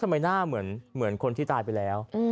ทำไมหน้าเหมือนคนที่ตายไปแล้ว